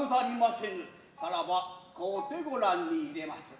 さらば使うてご覧に入れまする。